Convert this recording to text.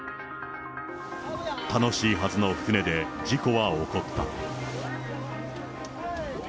楽しいはずの船で事故は起こった。